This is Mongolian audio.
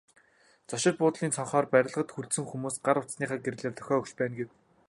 Зочид буудлын цонхоор барилгад үлдсэн хүмүүс гар утасныхаа гэрлээр дохио өгч байна гэв.